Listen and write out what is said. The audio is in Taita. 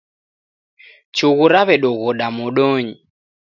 Chughu raw'edoghoda modonyi.